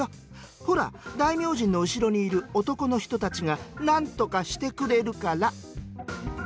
ほら大明神の後ろにいる男の人たちが何とかしてくれるから」。